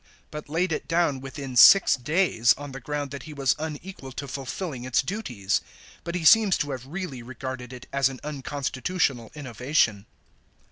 but laid it down within six days, on the ground that he was unequal to fulfilling its duties ; hut he seems to have really regarded it as an unconstitutional innovation.